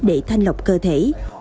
để thanh lọc cơ thể